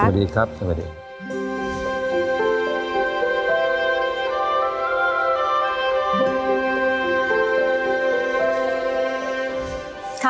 สวัสดีครับ